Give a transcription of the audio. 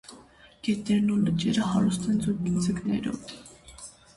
Գետերն ու լիճերը հարուստ են ձուկերով։